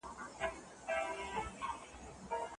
قانون باید د زورواکو په ګټه ونه کارول سي.